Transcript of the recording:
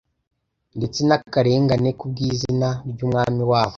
ndetse n'akarengane kubw'izina ry'Umwami wabo,